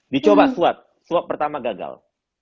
dicoba swab swab pertama gagal